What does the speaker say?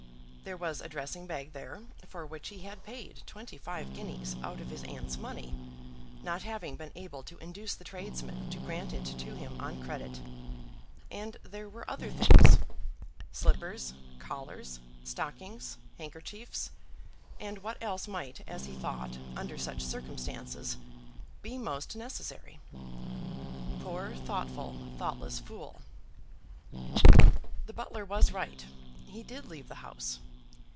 There was a dressing bag there for which he had paid twenty five guineas out of his aunt's money, not having been able to induce the tradesman to grant it to him on credit; and there were other things, slippers, collars, stockings, handkerchiefs, and what else might, as he thought, under such circumstances be most necessary. Poor thoughtful, thoughtless fool! The butler was right. He did leave the house.